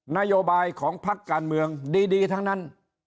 นโยบายของพักการเมืองดีทั้งนั้น